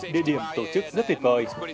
địa điểm tổ chức rất tuyệt vời